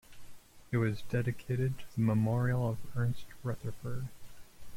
It was dedicated to the memorial of Ernest Rutherford.